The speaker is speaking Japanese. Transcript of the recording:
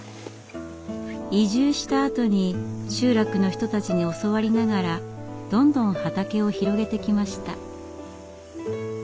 移住したあとに集落の人たちに教わりながらどんどん畑を広げてきました。